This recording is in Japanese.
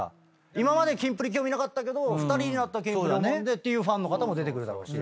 今までキンプリ興味なかったけど２人になったキンプリでっていうファンの方も出てくるだろうし。